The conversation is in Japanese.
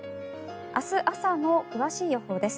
明日朝の詳しい予報です。